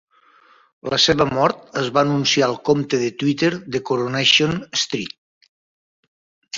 La seva mort es va anunciar al compte de Twitter de "Coronation Street".